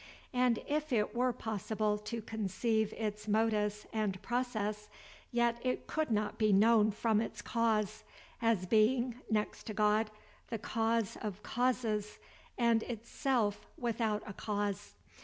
And if it were possible to conceive its modus and process, yet it could not be known from its cause, as being, next to God, the cause of causes, and itself without a cause.